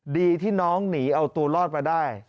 ดีที่น้องหนีเอาตัวรอดมาได้